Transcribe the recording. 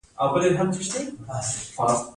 د بخش اباد بند په فراه کې دی